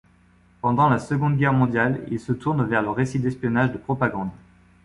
Pendant la Seconde Guerre mondiale, il se tourne vers le récit d'espionnage de propagande.